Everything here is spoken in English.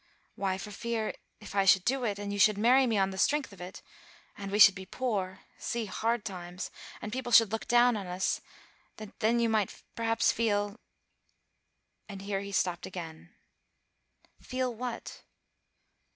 "Why, for fear, if I should do it, and you should marry me on the strength of it, and we should be poor, see hard times, and people should look down on us, that then you might perhaps feel " And here he stopped again. "Feel what?"